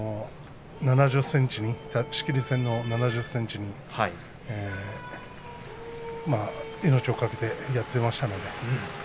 仕切り線の７０ｃｍに命を懸けてやっていましたので。